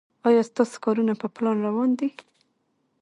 ایا ستاسو کارونه په پلان روان دي؟